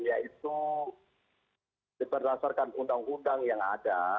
yaitu diberdasarkan undang undang yang ada